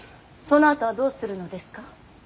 そのあとはどうするのですか。